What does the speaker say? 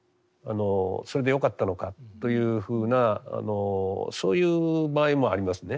それでよかったのかというふうなそういう場合もありますね。